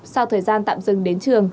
sau thời gian tạm dừng đến trường